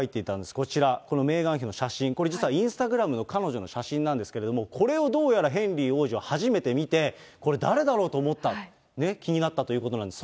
こちら、このメーガン妃の写真、これ実はインスタグラムの彼女の写真なんですけれども、これをどうやらヘンリー王子は初めて見て、これ誰だろうと思ったと、気になったということなんです。